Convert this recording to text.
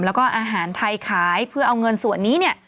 แล้วก็อาหารไทยขายเพื่อเอาเงินส่วนนี้เนี่ย